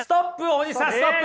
大西さんストップ！